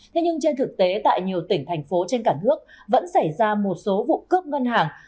thế nhưng trên thực tế tại nhiều tỉnh thành phố trên cả nước vẫn xảy ra một số vụ cướp ngân hàng